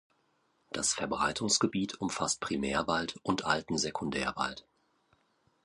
Das Verbreitungsgebiet umfasst Primärwald und alten Sekundärwald.